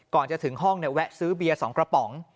ก่อนจะถึงห้องแวะซื้อเบียร์๒กระป๋อง